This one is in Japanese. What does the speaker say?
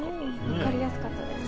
分かりやすかったです。